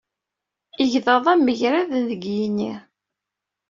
Igḍaḍ-a mgerraden deg yini.